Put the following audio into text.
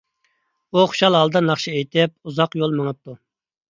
ئۇ خۇشال ھالدا ناخشا ئېيتىپ، ئۇزاق يول مېڭىپتۇ.